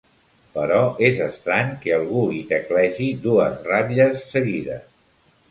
Però és estrany que algú hi teclegi dues ratlles seguides.